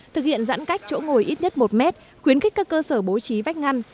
thực hiện giãn cách chỗ ngồi ít nhất một mét khuyến khích các cơ sở bố trí vách ngăn